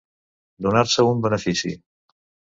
Donar-se un benefici.